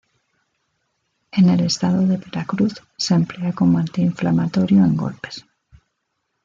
En el estado de Veracruz se emplea como antiinflamatorio en golpes.